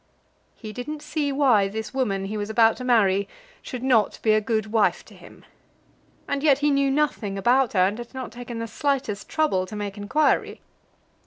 He didn't see why this woman he was about to marry should not be a good wife to him! And yet he knew nothing about her, and had not taken the slightest trouble to make inquiry.